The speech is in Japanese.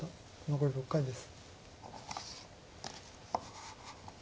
残り６回です。